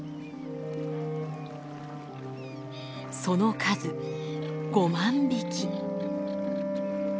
その数５万匹。